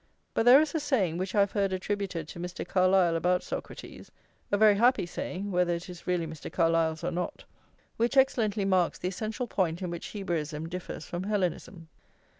But there is a saying which I have heard attributed to Mr. Carlyle about Socrates, a very happy saying, whether it is really Mr. Carlyle's or not, which excellently marks the essential point in which Hebraism differs from Hellenism.